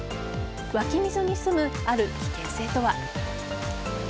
湧き水に潜む、ある危険性とは。